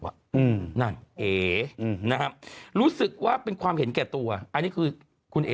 นั่นเอ๋นะฮะรู้สึกว่าเป็นความเห็นแก่ตัวอันนี้คือคุณเอ๋